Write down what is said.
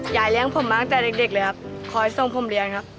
เลี้ยงผมมาตั้งแต่เด็กเลยครับคอยส่งผมเรียนครับ